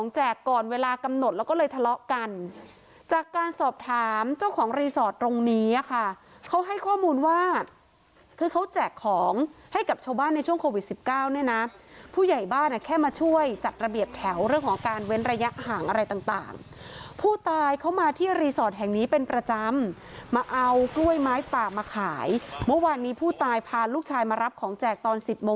แจกก่อนเวลากำหนดแล้วก็เลยทะเลาะกันจากการสอบถามเจ้าของรีสอร์ทตรงนี้อ่ะค่ะเขาให้ข้อมูลว่าคือเขาแจกของให้กับชาวบ้านในช่วงโควิดสิบเก้าเนี่ยนะผู้ใหญ่บ้านอ่ะแค่มาช่วยจัดระเบียบแถวเรื่องของการเว้นระยะห่างอะไรต่างผู้ตายเขามาที่รีสอร์ทแห่งนี้เป็นประจำมาเอากล้วยไม้ป่ามาขายเมื่อวานนี้ผู้ตายพาลูกชายมารับของแจกตอนสิบโมง